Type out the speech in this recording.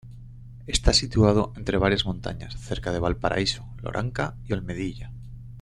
Está situado entre varias montañas, cerca de Valparaíso, Loranca y Olmedilla.